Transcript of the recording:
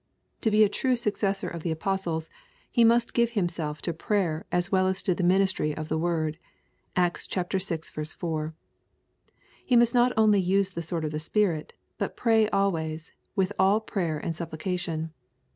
To be a true successor of the apostles, he must give himself to prayer as well as to the ministry of the word. (Acts vi. 4.) He must not only use the sword of the Spirit, but pray al ways, with all prayer and supplication.